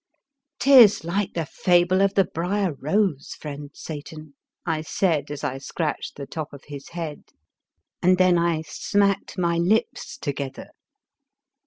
" 'Tis like the fable of the Brier Rose, friend Satan," I said, as I scratched the top of his head, and then I smacked my lips together.